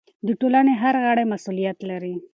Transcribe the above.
د ټولنې هر غړی مسؤلیت لري.